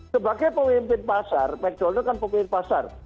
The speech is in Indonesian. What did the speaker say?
sebagai pemimpin pasar mcdonald kan pemimpin pasar